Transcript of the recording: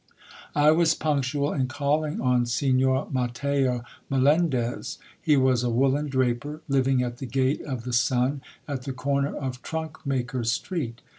I was punctual in calling on Signor Matheo Me lendez. He was a woollen draper, living at the gate of the Sun, at the corner of Trunkmaker street.